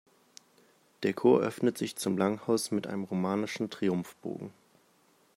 Der Chor öffnet sich zum Langhaus mit einem romanischen Triumphbogen.